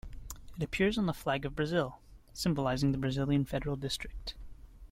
It appears on the flag of Brazil, symbolising the Brazilian Federal District.